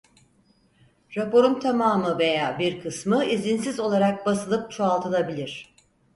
Raporun tamamı veya bir kısmı izinsiz olarak basılıp çoğaltılabilir.